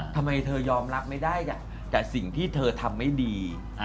ทำไมเธอยอมรับไม่ได้แต่สิ่งที่เธอทำไม่ดี